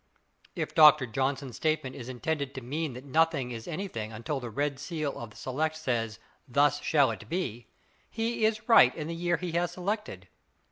If Dr. Johnson's statement is intended to mean that nothing is anything until the red seal of the select says, "Thus shall it be," he is right in the year he has selected.